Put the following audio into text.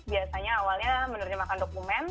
biasanya awalnya penerjemahkan dokumen